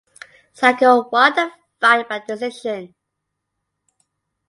Sacko won the fight by decision.